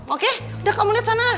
oke udah kamu liat sana